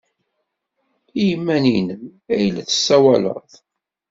I yiman-nnem ay la tessawaled?